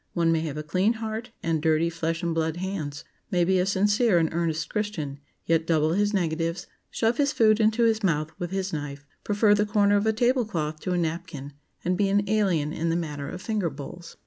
One may have a clean heart and dirty flesh and blood hands; may be a sincere and earnest Christian, yet double his negatives, shove his food into his mouth with his knife, prefer the corner of a table cloth to a napkin, and be an alien in the matter of finger bowls.